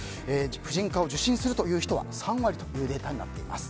婦人科を受診するという人は３割というデータになっています。